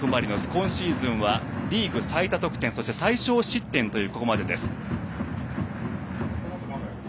今シーズンはリーグ最多得点そして最少失点というここまでです。